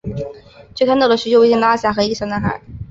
却看到了许久未见的阿霞和一个小男孩。